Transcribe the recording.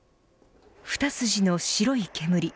２筋の白い煙。